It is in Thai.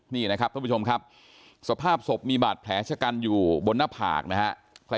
นี่นะครับท่านผู้ชมครับสภาพศพมีบาดแผลชะกันอยู่บนหน้าผากนะฮะ